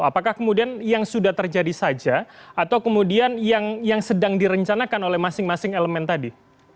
apakah kemudian yang sudah terjadi saja atau kemudian yang sedang direncanakan oleh masing masing elemen tadi